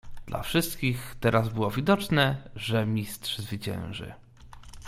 "Dla wszystkich teraz było widoczne, że Mistrz zwycięży."